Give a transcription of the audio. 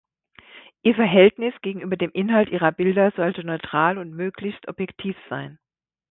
Ihr Verhältnis gegenüber dem Inhalt ihrer Bilder sollte neutral und möglichst objektiv sein.